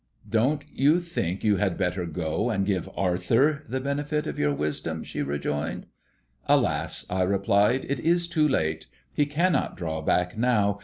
"Don't you think you'd better go and give Arthur the benefit of your wisdom?" she rejoined. "Alas," I replied, "it is too late he cannot draw back now.